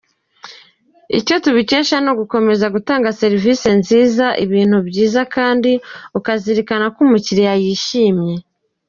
Icyo tubikesha ni ugukomeza gutanga serivisi nziza, ibintu byiza kandi ukazirikana ko umukiriya yishimye.